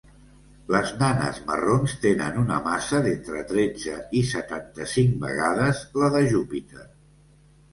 Les nanes marrons tenen una massa d'entre tretze i setanta-cinc vegades la de Júpiter.